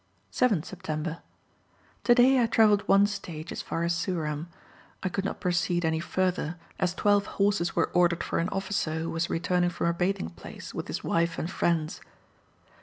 7th September. Today I travelled one stage as far as Suram: I could not proceed any further, as twelve horses were ordered for an officer who was returning from a bathing place, with his wife and friends.